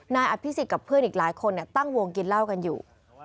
นายอภิษฎกับเพื่อนอีกหลายคนตั้งวงกินเหล้ากันอยู่